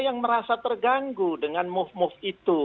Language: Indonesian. yang merasa terganggu dengan move move itu